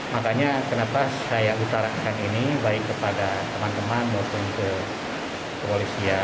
makanya kenapa saya utarakan ini baik kepada teman teman maupun ke polisi ya